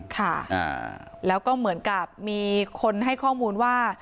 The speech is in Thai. ค่ะแล้วก็เหมือนกับมีคนให้ข้อมูลว่า